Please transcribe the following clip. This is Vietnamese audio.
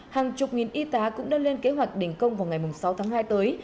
hàng chục nghìn y tá cũng đã lên kế hoạch đình công vào ngày sáu tháng hai tới